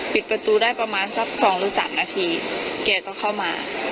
ปิดประตูได้ประมาณสัก๒หรือ๓นาทีแกก็เข้ามา